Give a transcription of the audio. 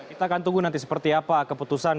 kita akan tunggu nanti seperti apa keputusan